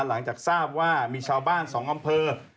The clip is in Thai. หลังจากทราบว่ามีชาวบ้าน๒อำเภอ